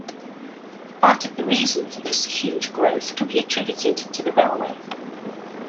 Part of the reason for this huge growth can be attributed to the railway.